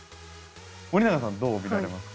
森永さんどう見られますか？